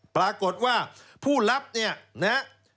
ปรากฏว่าผู้รับนี่นะ